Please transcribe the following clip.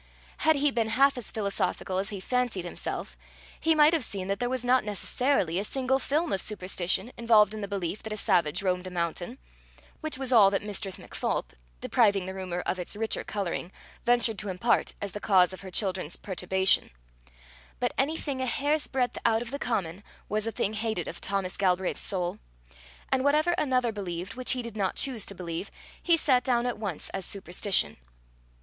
Had he been half as philosophical as he fancied himself, he might have seen that there was not necessarily a single film of superstition involved in the belief that a savage roamed a mountain which was all that Mistress MacPholp, depriving the rumour of its richer colouring, ventured to impart as the cause of her children's perturbation; but anything a hair's breadth out of the common, was a thing hated of Thomas Galbraith's soul, and whatever another believed which he did not choose to believe, he set down at once as superstition.